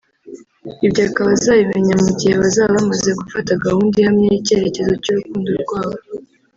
ibyo akaba azabimenya mu gihe bazaba bamaze gufata gahunda ihamye y’icyerecyezo cy’urukundo rwabo